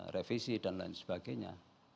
revisi dan lain sebagainya